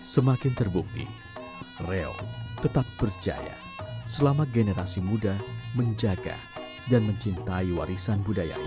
semakin terbukti reok tetap berjaya selama generasi muda menjaga dan mencintai warisan budaya